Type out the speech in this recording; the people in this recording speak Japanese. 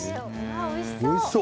おいしそう。